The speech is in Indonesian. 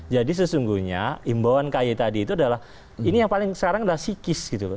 jadi sesungguhnya imbauan k y tadi itu adalah ini yang paling sekarang adalah psikis gitu loh